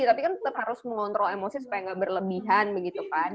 tapi kan tetap harus mengontrol emosi supaya nggak berlebihan begitu kan